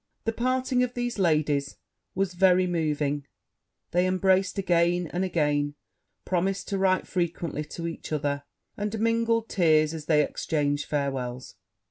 The parting of these ladies was very moving; they embraced again and again, promised to write frequently to each other, and mingled tears as they exchanged farewels.